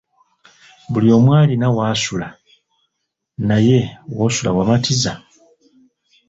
Buli omu alina w'asula, naye w'osula wamatiza?